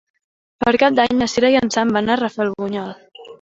Per Cap d'Any na Sira i en Sam van a Rafelbunyol.